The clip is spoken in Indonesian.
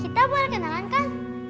kita buat kenalan kan